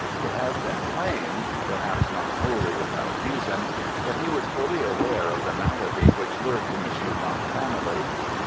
It has been claimed—perhaps not wholly without reason—that he was fully aware of the malady which lurked in the Schumann family.